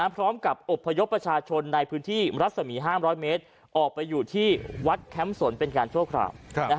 พร้อมกับอบพยพประชาชนในพื้นที่รัศมี๕๐๐เมตรออกไปอยู่ที่วัดแคมป์สนเป็นการชั่วคราว